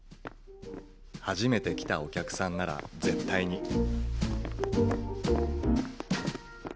初めて来たお客さんなら絶対に。